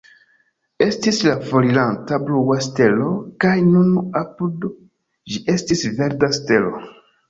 Estis la foriranta blua stelo, kaj nun apud ĝi estis verda stelo.